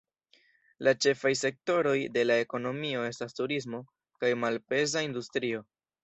La ĉefaj sektoroj de la ekonomio estas turismo kaj malpeza industrio.